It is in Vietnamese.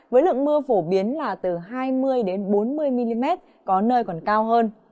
với lượng mưa phổ biến là từ hai mươi bốn mươi mm có nơi còn cao hơn